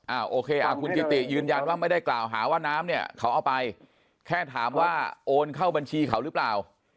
โอเคอ่าคุณกิติยืนยันว่าไม่ได้กล่าวหาว่าน้ำเนี่ยเขาเอาไปแค่ถามว่าโอนเข้าบัญชีเขาหรือเปล่า